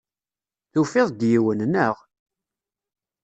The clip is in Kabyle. Tufiḍ-d yiwen, naɣ?